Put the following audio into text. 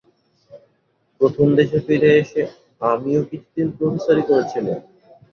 প্রথম দেশে ফিরে এসে আমিও কিছুদিন প্রোফেসারি করেছিলুম।